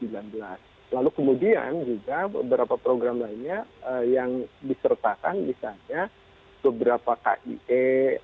lalu kemudian juga beberapa program lainnya yang disertakan misalnya beberapa kie